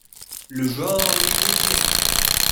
Le genre lui est dédié.